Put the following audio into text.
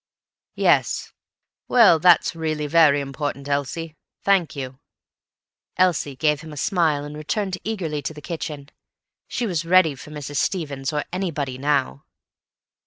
"Yes. Well, that's really very important, Elsie. Thank you." Elsie gave him a smile, and returned eagerly to the kitchen. She was ready for Mrs. Stevens or anybody now.